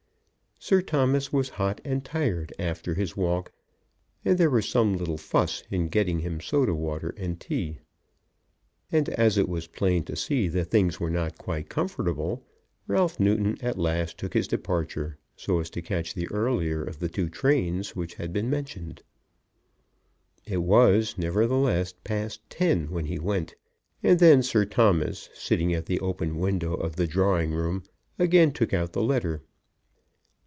Sir Thomas was hot and tired after his walk, and there was some little fuss in getting him soda water and tea. And as it was plain to see that things were not quite comfortable, Ralph Newton at last took his departure, so as to catch the earlier of the two trains which had been mentioned. It was, nevertheless, past ten when he went; and then Sir Thomas, sitting at the open window of the drawing room, again took out the letter.